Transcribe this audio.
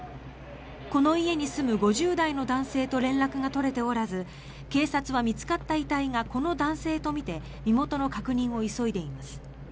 この家に住む５０代の男性と連絡が取れておらず警察は見つかった遺体がこの男性とみて身元の確認を急いでいます。